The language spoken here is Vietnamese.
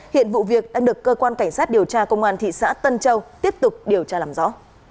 hiện vụ việc đang được cơ quan cảnh sát điều tra công an thị xã tân châu tiếp tục điều tra làm rõ